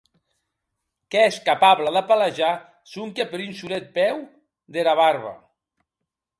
Qu’ès capable de pelejar sonque per un solet peu dera barba.